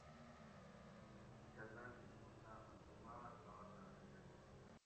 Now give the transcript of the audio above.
چتراۤل کہ چو تامہ دُو ماۤ ڷا تاۤتہ گڑو